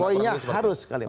poinnya harus kalimat